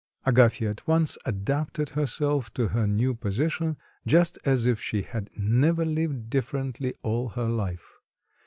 Agafya at once adapted herself to her new position, just as if she had never lived differently all her life.